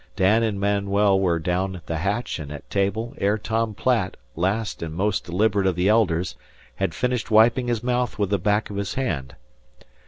Dan and Manuel were down the hatch and at table ere Tom Platt, last and most deliberate of the elders, had finished wiping his mouth with the back of his hand.